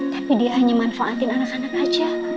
tapi dia hanya manfaatin anak anak saja